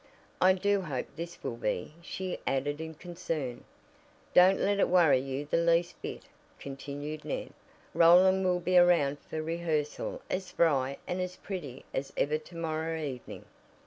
"I do hope his will be," she added in concern. "Don't let it worry you the least bit," continued Ned. "Roland will be around for rehearsal as spry and as pretty as ever to morrow evening."